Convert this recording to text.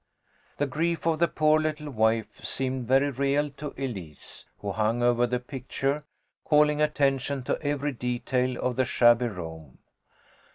The grief of the poor little waif seemed very real to Elise, who hung over the picture, calling attention to every detail of the shabby room.